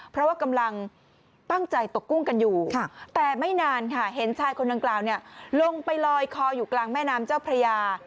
เพราะว่ากำลังตั้งใจตกกุ้งกันอยู่แต่ไม่นานค่ะเห็นชายคนดังกล่าวลงไปลอยคออยู่กลางแม่น้ำเจ้าพระยา